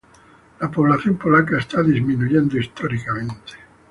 La población polaca está disminuyendo históricamente.